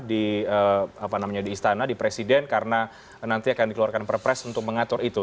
di istana di presiden karena nanti akan dikeluarkan perpres untuk mengatur itu